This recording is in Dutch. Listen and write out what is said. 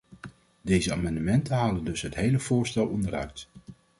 Deze amendementen halen dus het hele voorstel onderuit.